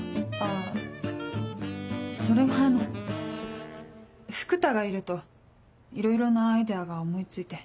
あそれはあの福多がいるといろいろなアイデアが思い付いて。